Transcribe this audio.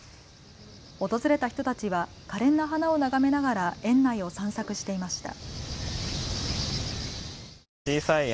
訪れた人たちはかれんな花を眺めながら園内を散策していました。